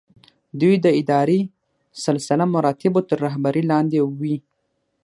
دوی د اداري سلسله مراتبو تر رهبرۍ لاندې وي.